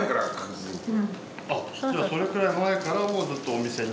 それくらい前からもうずっとお店に。